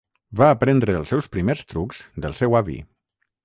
Va aprendre els seus primers trucs del seu avi.